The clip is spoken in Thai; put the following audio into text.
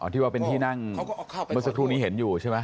ที่ว่าเป็นที่นั่งเมื่อสักครู่นี้เห็นอยู่ใช่ไหม